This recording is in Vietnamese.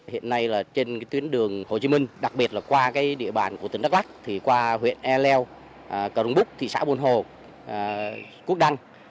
hiện nay là trên tuyến đường hồ chí minh đặc biệt là qua địa bàn của tỉnh đắk lắc qua huyện ea lèo cà rung búc thị xã bồn hồ quốc đăng